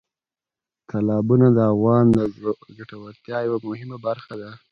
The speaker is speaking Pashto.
تالابونه د افغانانو د ګټورتیا یوه مهمه برخه ده.